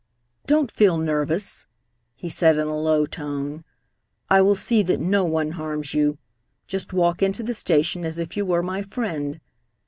"Don't feel nervous," he said in a low tone. "I will see that no one harms you. Just walk into the station as if you were my friend.